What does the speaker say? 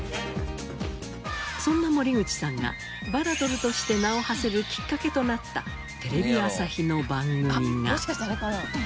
そんな森口さんがバラドルとして名を馳せるきっかけとなったテレビ朝日の番組が。